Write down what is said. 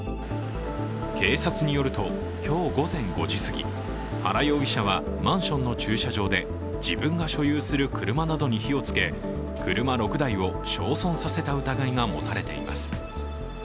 警察によると、今日午前５時すぎ原容疑者は、マンションの駐車場で自分が所有する車などに火をつけ車６台を焼損された疑いが持たれています。